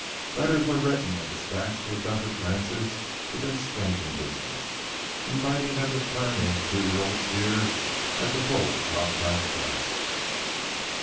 Letters were written and dispatched to a dozen ranches within striking distance, inviting them to turn in two year old steers at the full contract price.